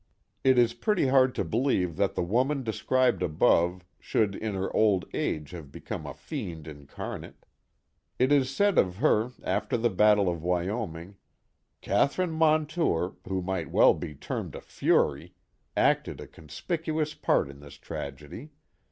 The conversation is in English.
It is pretty hard to believe that the woman described above should in her old age have become a fiend incarnate. It is said of her, after the battle of Wyoming: *' Catherine Mon tour, who might well be termed a fury, acted a conspicuous part in this tragedy.